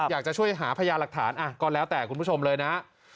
อยากจะช่วยหาพยาหลักฐานก็แล้วแต่คุณผู้ชมเลยนะ